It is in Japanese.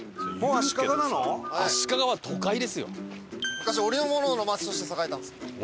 昔織物の町として栄えたんです。